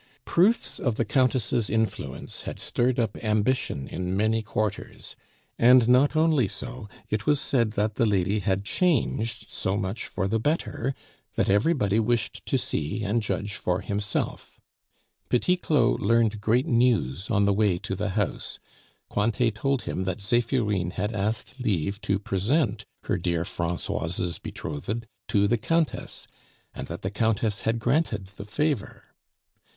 Proofs of the Countess' influence had stirred up ambition in many quarters; and not only so, it was said that the lady had changed so much for the better that everybody wished to see and judge for himself. Petit Claud learned great news on the way to the house; Cointet told him that Zephirine had asked leave to present her dear Francoise's betrothed to the Countess, and that the Countess had granted the favor.